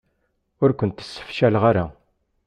Ur kent-sefcaleɣ ara.